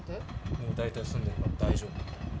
もうだいたい済んでるから大丈夫って。